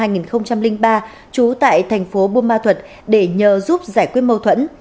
nguyễn gia bảo sinh năm hai nghìn ba trú tại tp buôn ma thuật để nhờ giúp giải quyết mâu thuẫn